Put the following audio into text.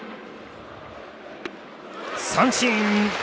三振！